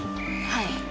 はい。